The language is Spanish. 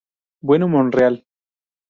Bueno Monreal.